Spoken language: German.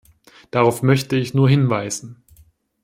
Darauf möchte ich nur hinweisen.